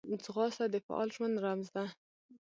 ځغاسته د فعال ژوند رمز ده